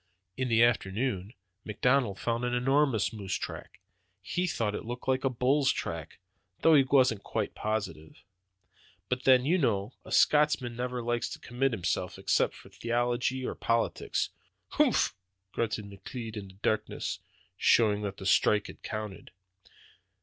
"In the afternoon McDonald found an enormous moose track; he thought it looked like a bull's track, though he wasn't quite positive. But then, you know, a Scotchman never likes to commit himself, except about theology or politics." "Humph!" grunted McLeod in the darkness, showing that the strike had counted.